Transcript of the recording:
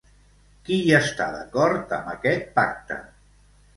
Qui hi està d'acord amb aquest pacte?